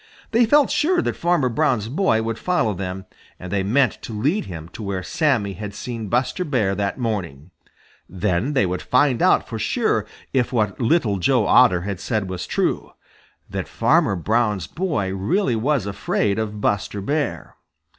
They felt sure that Farmer Brown's boy would follow them, and they meant to lead him to where Sammy had seen Buster Bear that morning. Then they would find out for sure if what Little Joe Otter had said was true, that Farmer Brown's boy really was afraid of Buster Bear.